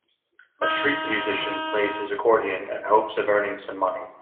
A street musician plays his accordion in hopes of earning some money.